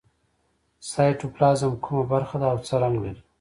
سایتوپلازم کومه برخه ده او څه رنګ لري